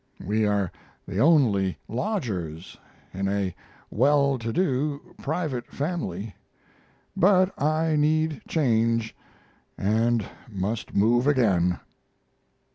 We are the only lodgers in a well to do private family.... But I need change and must move again.